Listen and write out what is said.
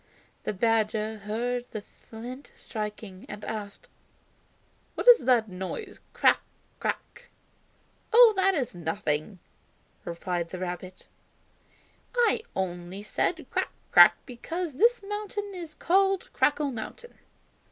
The badger heard the flint striking, and asked: "What is that noise. 'Crack, crack'?" "Oh, that is nothing." replied the rabbit; "I only said 'Crack, crack' because this mountain is called Crackling Mountain."